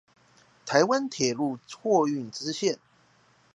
臺灣鐵路貨運支線